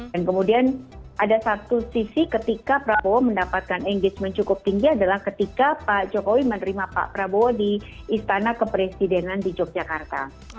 dan kemudian ada satu sisi ketika prabowo mendapatkan engagement cukup tinggi adalah ketika pak jokowi menerima pak prabowo di istana kepresidenan di yogyakarta